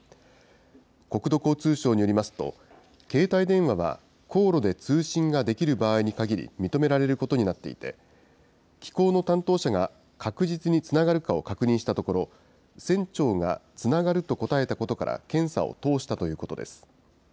国土交通省によりますと、携帯電話は航路で通信ができる場合にかぎり認められることになっていて、機構の担当者が確実につながるかを確認したところ、船長がつながると答えたことから、検査を通したということです。